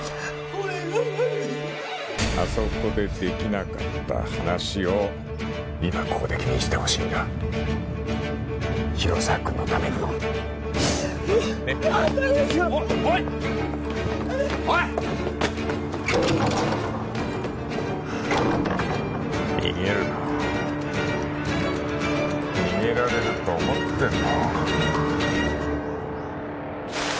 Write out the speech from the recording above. あそこでできなかった話を今ここで君にしてほしんだ広沢君のためにもねッおいおいッ逃げるの逃げられると思ってんの？